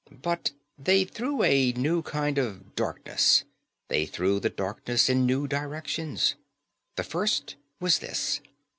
But they threw a new kind of darkness; they threw the darkness in new directions. The first was this.